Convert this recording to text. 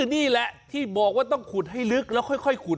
นี่แหละที่บอกว่าต้องขุดให้ลึกแล้วค่อยขุด